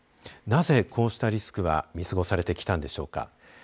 なぜこうしたリスクは見過ごされてきたのでしょうか。